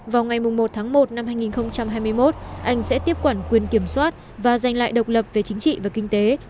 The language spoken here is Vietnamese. vào ngày một tháng một năm hai nghìn hai mươi một anh sẽ tiếp quản quyền kiểm soát và giành lại độc lập về chính trị và kinh tế